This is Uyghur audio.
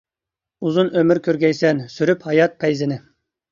ئۇزۇن ئۆمۈر كۆرگەيسەن، سۇرۇپ ھايات پەيزىنى.